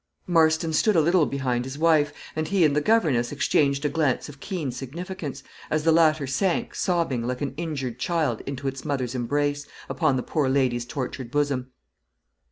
Marston stood a little behind his wife, and he and the governess exchanged a glance of keen significance, as the latter sank, sobbing, like an injured child into its mother's embrace, upon the poor lady's tortured bosom.